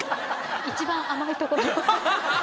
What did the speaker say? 一番甘いところ。